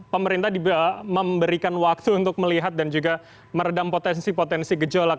pemerintah memberikan waktu untuk melihat dan juga meredam potensi potensi gejolak